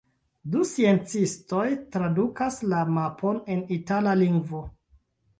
Du sciencistoj tradukas la mapon en itala lingvo.